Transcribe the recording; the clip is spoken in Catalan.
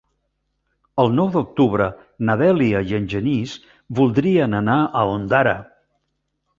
El nou d'octubre na Dèlia i en Genís voldrien anar a Ondara.